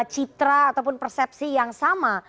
citra ataupun persepsi yang sama